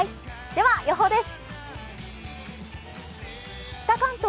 では、予報です。